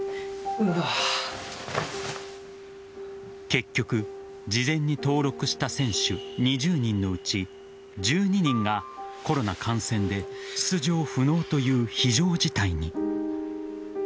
結局、事前に登録した選手２０人のうち１２人がコロナ感染で出場不能という非常事態に。